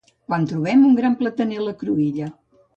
quan trobem un gran plataner a la cruïlla